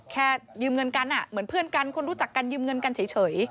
แค่ยืมเงินกันเหมือนเพื่อนกันคนรู้จักกันยืมเงินกันเฉย